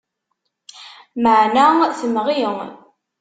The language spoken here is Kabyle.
Meεna temɣi.